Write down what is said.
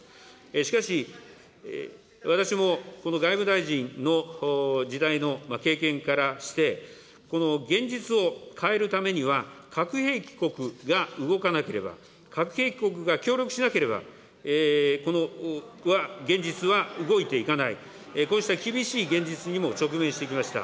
しかし、私もこの外務大臣の時代の経験からして、この現実をかえるためには核兵器国が動かなければ、核兵器国が協力しなければ、現実は動いていかない、こうした厳しい現実にも直面してきました。